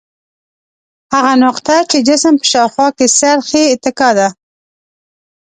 هغه نقطه چې جسم په شاوخوا څرخي اتکا ده.